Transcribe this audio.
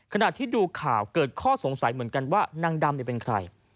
ขณะที่ดูข่าวเกิดข้อสงสัยเหมือนกันว่านางดำเป็นใคร